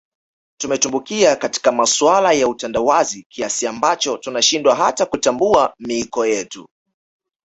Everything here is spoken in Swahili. Tumetumbukia katika masuala ya utandawazi kiasi ambacho tunashindwa hata kutambua miiko yetu